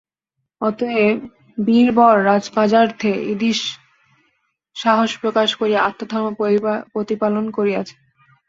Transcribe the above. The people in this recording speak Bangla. অতএব বীরবর রাজকার্যার্থে ঈদৃশ সাহস প্রকাশ করিয়া আত্মধর্ম প্রতিপালন করিয়াছে।